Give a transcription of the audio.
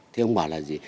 thế ông bảo là gì